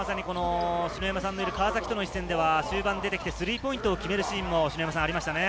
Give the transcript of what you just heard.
ただこの準決勝、篠山さんのいる川崎戦では終盤に出てきてスリーポイントを決めるシーンもありましたよね。